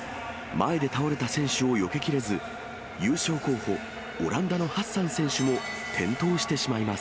前で倒れた選手をよけきれず、優勝候補、オランダのハッサン選手も転倒してしまいます。